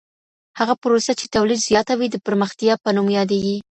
هغه پروسه چي تولید زیاتوي د پرمختیا په نوم یادیږي.